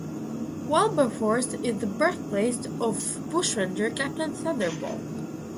Wilberforce is the birthplace of bushranger Captain Thunderbolt.